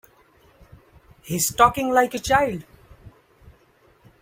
He's talking like a child.